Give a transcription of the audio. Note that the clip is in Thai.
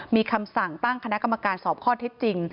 มีคำสั่งตั้งคณะกรรมการสอบข้อเท็จจริง